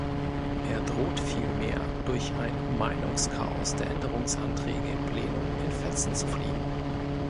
Er droht vielmehr durch ein Meinungschaos der Änderungsanträge im Plenum in Fetzen zu fliegen.